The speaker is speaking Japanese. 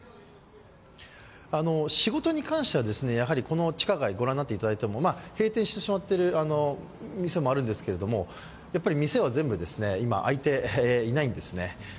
仕事に関しては、この地下街を御覧になっていただいても閉店してしまっている店もあるんですけれども、店は全部、今、開いていないんですね。